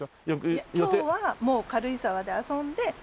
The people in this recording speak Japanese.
いや今日はもう軽井沢で遊んでさようなら。